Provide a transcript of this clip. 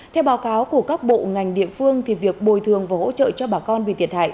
theo báo cáo của các bộ ngành địa phương việc bồi thường và hỗ trợ cho bà con bị thiệt hại